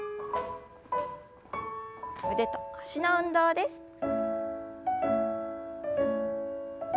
腕と脚の運動です。